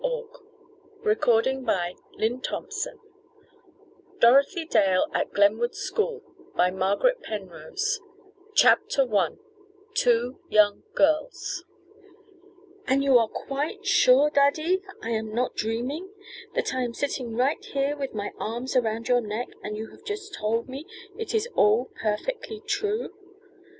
MISS CRANE AND VIOLA XXIII. THE REAL STORY DOROTHY DALE AT GLENWOOD SCHOOL CHAPTER I TWO YOUNG GIRLS "And you are quite sure, daddy, I am not dreaming? That I am sitting right here with my arms around your neck, and you have just told me it is all perfectly true?"